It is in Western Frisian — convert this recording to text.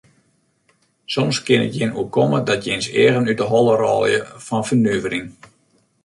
Soms kin it jin oerkomme dat jins eagen út de holle rôlje fan fernuvering.